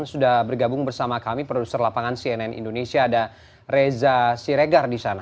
sudah bergabung bersama kami produser lapangan cnn indonesia ada reza siregar di sana